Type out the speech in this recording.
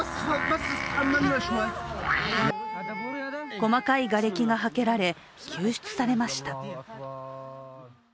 細かいがれきがはけられ、救出されました。